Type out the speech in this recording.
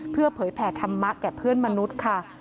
เพื่อเผยแผ่ธรรมะแก่เพื่อนมนุษย์ค่ะ